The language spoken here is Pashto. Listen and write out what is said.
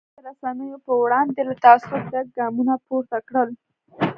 ګوند د رسنیو پر وړاندې له تعصب ډک ګامونه پورته کړل.